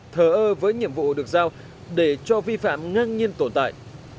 thờ ơ với nhiệm vụ được giao để cho vi phạm ngang nhiên tồn tại